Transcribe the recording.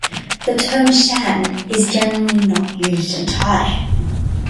The term Shan is generally not used in Thai.